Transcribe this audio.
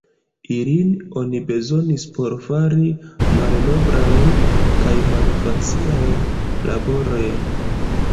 Ilin oni bezonis por fari malnoblajn kaj malfacilajn laborojn.